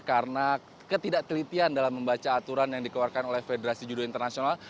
karena ketidakkelitian dalam membaca aturan yang dikeluarkan oleh federasi judo internasional